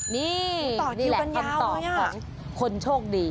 นี่แหละคำตอบกับคนโชคดี